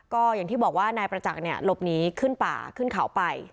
ก็อย่างที่บอกว่านายประจักษ์เนี่ยหลบหนีขึ้นป่าขึ้นเขาไป